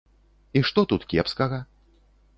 І што тут кепскага?